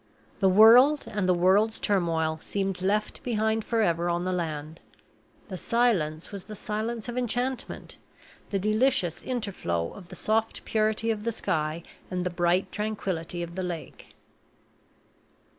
The world and the world's turmoil seemed left behind forever on the land; the silence was the silence of enchantment the delicious interflow of the soft purity of the sky and the bright tranquillity of the lake.